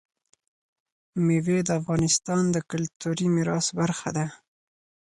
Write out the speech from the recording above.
مېوې د افغانستان د کلتوري میراث برخه ده.